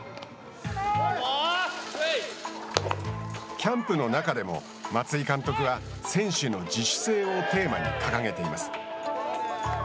キャンプの中でも松井監督は選手の自主性をテーマに掲げています。